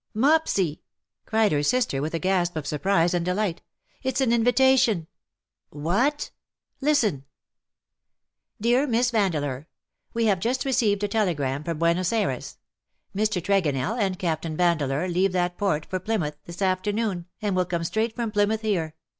'• Mopsy ," cried her sister,, with a gasp of surprise and delight, "it's an invitation !"" What ?"" Listen — 89 '^^ Dear Miss Vandeleur, —^^*" We Lave just received a telegram from Buenos Ayres. Mr. Tregonell and Captain Van deleur leave that port for Plymouth this after noon, and will come straight from Plymouth here.